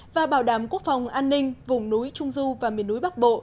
và bảo đảm quốc phòng an ninh vùng núi trung du và miền núi bắc bộ